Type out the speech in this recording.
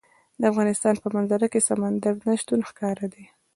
د افغانستان په منظره کې سمندر نه شتون ښکاره ده.